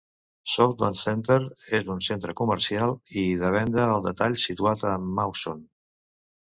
Southlands Centre és un centre comercial i de venta al detall situat a Mawson.